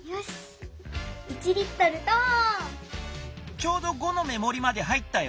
ちょうど５の目もりまで入ったよ。